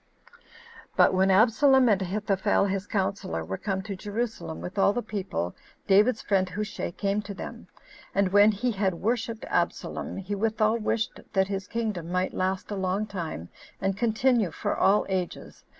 5. But when Absalom, and Ahithophel his counselor, were come to Jerusalem, with all the people, David's friend, Hushai, came to them; and when he had worshipped Absalom, he withal wished that his kingdom might last a long time, and continue for all ages.